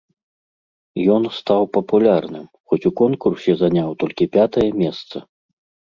Ён стаў папулярным, хоць у конкурсе заняў толькі пятае месца.